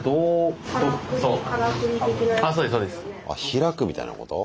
開くみたいなこと？